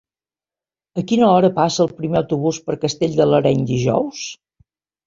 A quina hora passa el primer autobús per Castell de l'Areny dijous?